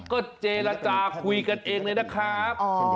ก็เจรจาคุยกันเองเลยนะครับ